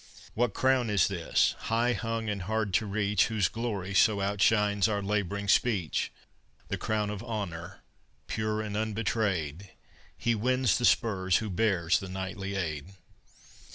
What crown is this, high hung and hard to reach, Whose glory so outshines our laboring speech? The crown of Honor, pure and unbetrayed; He wins the spurs who bears the knightly aid.